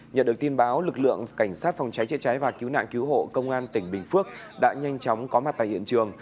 nhận được tin báo lực lượng cảnh sát phòng cháy chữa cháy và cứu nạn cứu hộ công an tỉnh bình phước đã nhanh chóng có mặt tại hiện trường